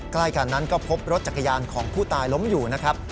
ใกล้กันนั้นก็พบรถจักรยานของผู้ตายล้มอยู่นะครับ